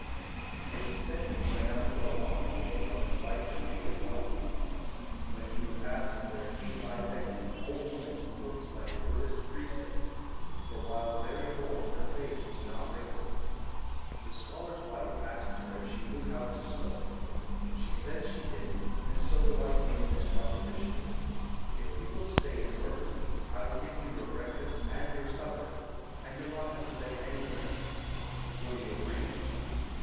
It is said that he went out for a walk one day while his wife remained alone at home. When he was absent there came by begging an old woman who looked like a Buddhist priestess, for while very old her face was not wrinkled. The scholar's wife asked her if she knew how to sew. She said she did, and so the wife made this proposition, "If you will stay and work for me I'll give you your breakfast and your supper, and you'll not have to beg anywhere; will you agree?"